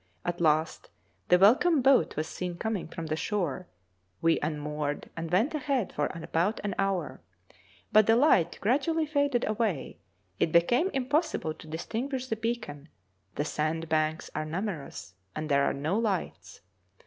At last the welcome boat was seen coming from the shore; we unmoored, and went ahead for about an hour. But the light gradually faded away; it became impossible to distinguish the beacon; the sand banks are numerous, and there are no lights.